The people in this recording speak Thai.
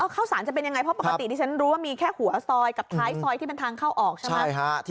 ข้าวสารจะเป็นยังไงเพราะปกติที่ฉันรู้ว่ามีแค่หัวซอยกับท้ายซอยที่เป็นทางเข้าออกใช่ไหม